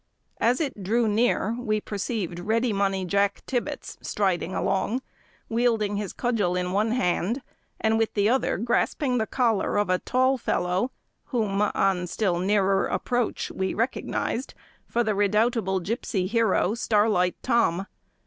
As it drew near, we perceived Ready Money Jack Tibbets striding along, wielding his cudgel in one hand, and with the other grasping the collar of a tall fellow, whom, on still nearer approach, we recognised for the redoubtable gipsy hero, Starlight Tom.